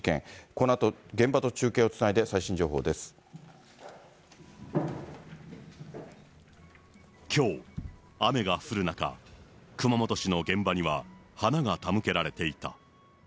このあと、現場と中継をつないで、きょう、雨が降る中、熊本市の現場には、花が手向けられていた。